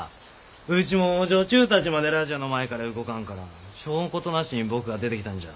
うちも女中たちまでラジオの前から動かんからしょうことなしに僕が出てきたんじゃ。